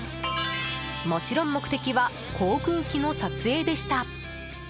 もちろん目的は航空機の撮影でした。